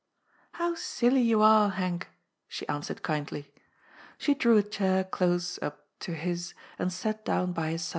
" How silly you are, Henk," she answered kindly. She drew a chair close up to his and sat down by his side.